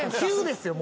９ですよ